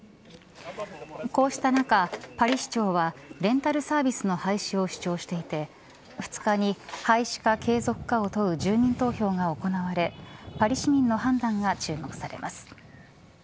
こうした中パリ市長はレンタルサービスの廃止を主張していて２日に廃止か継続かを問う住民投票が行われパリ市民の判断が注目されます。